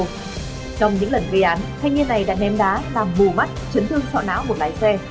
trong những lần gây án thanh niên này đã ném đá làm mù mắt chấn thương sọ não một lái xe